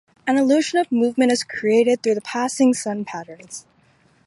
An illusion of movement is created through the passing sun patterns.